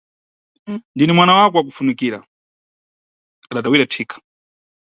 Ndine mwana wako wakufunikira adatawira thika.